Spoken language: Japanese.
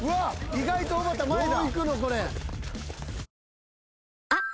意外とおばた前だ。